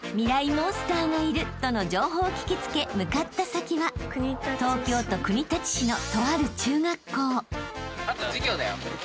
モンスターがいるとの情報を聞き付け向かった先は東京都国立市のとある中学校］